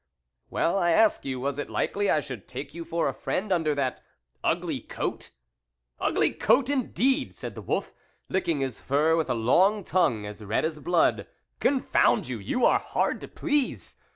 " Well, I ask you, was it likely I should take you for a friend under that ugly coat ?"" Ugly coat, indeed !" said the wolf, licking his fur with a long tongue as red as blood. " Confound you ! You are hard to please.